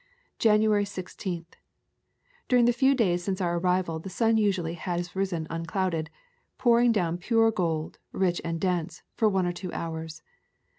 January 16. During the few days since our arrival the sun usually has risen unclouded, . pouring down pure gold, rich and dense, for one or two hours.